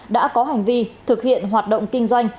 đã có hành vi thực hiện hoạt động kinh doanh